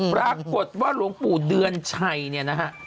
ปรากฏว่าหลวงปู่เดือนชัยเนี่ยนะฮะ